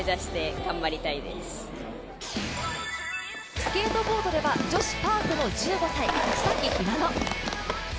スケートボードでは女子パークの１５歳・草木ひなの。